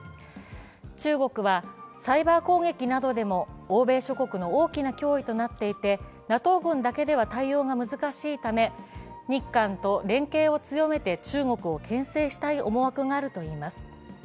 中国は、サイバー攻撃などでも欧米諸国の大きな脅威となっていて、ＮＡＴＯ軍だけでは対応が難しいため日韓と連携を強めて中国をけん制したい思惑があるといいます。